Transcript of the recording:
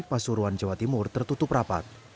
pasuruan jawa timur tertutup rapat